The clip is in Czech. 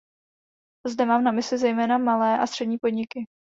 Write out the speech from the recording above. Zde mám na mysli zejména malé a střední podniky.